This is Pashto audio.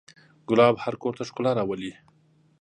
ګلاب هر کور ته ښکلا راولي.